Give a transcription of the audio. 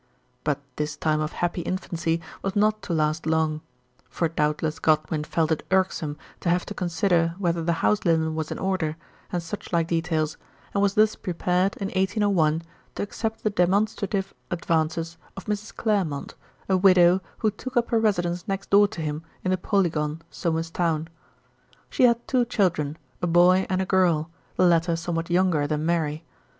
But this time of happy infancy was not to last long ; for doubtless Godwin felt it irksome to have to consider whether the house linen was in order, and such like details, and was thus prepared, in 1801, to accept the demonstrative advances of Mrs. Clairmont, a widow who took up her residence next door to him in the Polygon, Somers Town. She had two children, a boy and a girl, the latter somewhat younger than Mary.